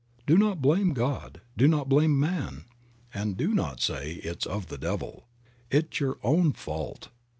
Do not blame God, do not blame man, and do not say it is of the devil. It is your own fault.